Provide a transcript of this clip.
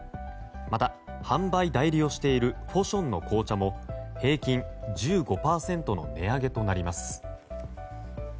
また、販売代理をしているＦＡＵＣＨＯＮの紅茶も平均１５％の値上げとなります。